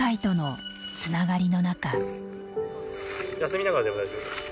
休みながらでも大丈夫。